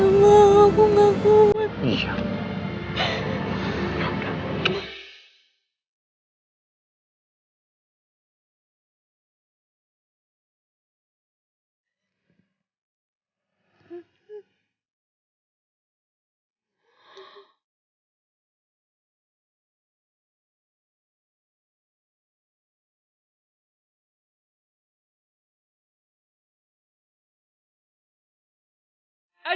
bilangin aku gak perlu nyokok ya